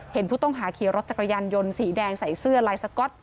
เห็นผู้ต้องหาขี่รถจักรยานยนต์สีแดงใส่เสื้อลายสก๊อต